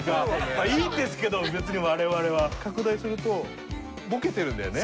まあいいんですけど別に我々は。拡大するとボケてるんだよね。